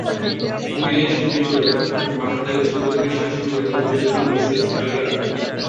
ফিরে এসে দেখল ওরা, এখনো বারান্দায় বসে প্রতিবেশীর সঙ্গে কথা বলছেন মিসেস কলিয়ার।